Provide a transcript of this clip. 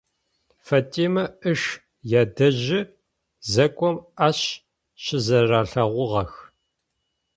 Фатимэ ыш ядэжьы зэкӏом ащ щызэрэлъэгъугъэх.